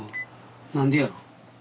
何でやろ？